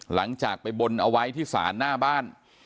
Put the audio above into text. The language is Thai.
หลังจากไปบนเอาไว้ที่ศาลหน้าบ้าน